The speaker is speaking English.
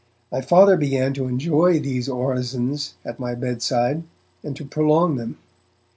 My Father began to enjoy these orisons at my bedside, and to prolong them.